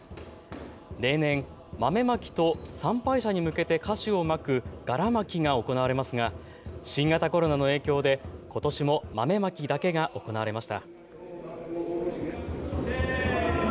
例年、豆まきと参拝者に向けて菓子をまく、がらまきが行われますが新型コロナの影響でことしも豆まきだけが行われました。